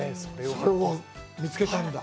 それを見つけたんだ。